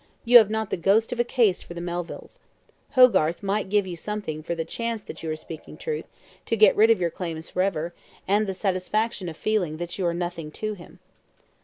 You have not the ghost of a case for the Melvilles. Hogarth might give you something for the chance that you are speaking truth, to get rid of your claims for ever, and the satisfaction of feeling that you are nothing to him."